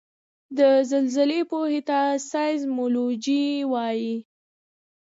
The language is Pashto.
د زلزلې پوهې ته سایزمولوجي وايي